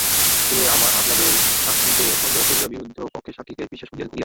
তিনি আপনাদের সাক্ষীকে সন্দেহ করিয়া বিরুদ্ধ পক্ষের সাক্ষীকেই বিশ্বাস করিয়া গিয়াছেন।